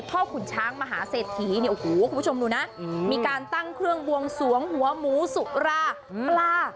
ขุนช้างมหาเศรษฐีเนี่ยโอ้โหคุณผู้ชมดูนะมีการตั้งเครื่องบวงสวงหัวหมูสุราปลา